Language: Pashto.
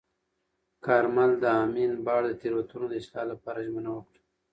کارمل د امین بانډ د تېروتنو د اصلاح لپاره ژمنه وکړه.